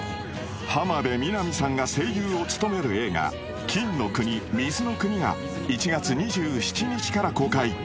浜辺美波さんが声優を務める映画『金の国水の国』が１月２７日から公開